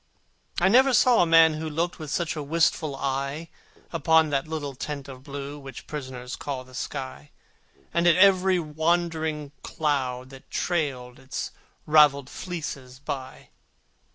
I never saw a man who looked With such a wistful eye Upon that little tent of blue Which prisoners call the sky, And at every wandering cloud that trailed Its ravelled fleeces by.